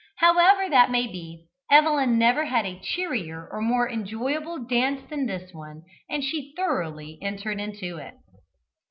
However that may be, Evelyn never had a cheerier or more enjoyable dance than this one, and she thoroughly entered into it.